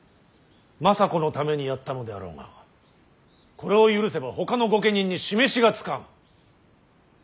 政子のためにやったのであろうがこれを許せばほかの御家人に示しがつかん。